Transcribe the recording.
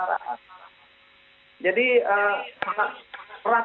makanya pikir belajar bahasa